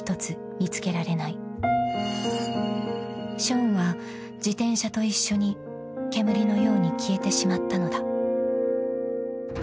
［ショーンは自転車と一緒に煙のように消えてしまったのだ］